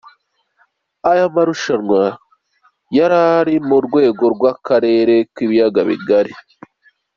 Aya marushanwa ngo yari mu rwego rw’akarere k’Ibiyaga Bigari.